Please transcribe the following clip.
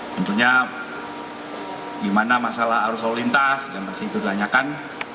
tentunya gimana masalah arus lalu lintas yang masih itu ditanyakan